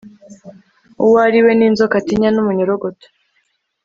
uwariwe n'inzoka atinya n'umunyorogoto